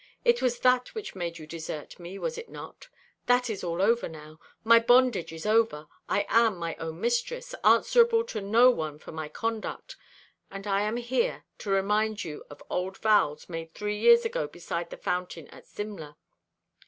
It was that which made you desert me, was it not? That is all over now. My bondage is over. I am my own mistress, answerable to no one for my conduct; and I am here to remind you of old vows made three years ago beside the fountain at Simla."